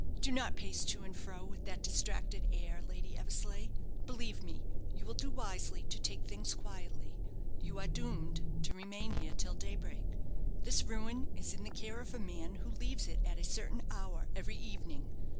Do not pace to and fro with that distracted air, Lady Eversleigh. Believe me, you will do wisely to take things quietly. You are doomed to remain here till daybreak. This ruin is in the care of a man who leaves it at a certain hour every evening.